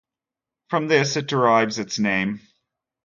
From this, it derives its name.